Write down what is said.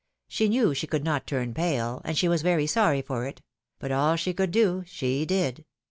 She knew she could not turn pale, and she was very sorry for it; but all she could do, she did.